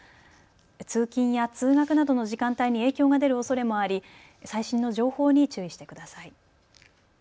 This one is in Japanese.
通勤や通学などの時間帯に影響が出るおそれもあり最新の情報に注意してください。